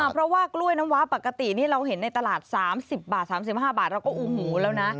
เพราะว่ากล้วยน้ำว้าปกตินี่เราเห็นในตลาด๓๐บาท๓๕บาทเราก็อูหูแล้วนะ